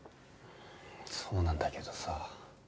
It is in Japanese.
そうなんだけどさ。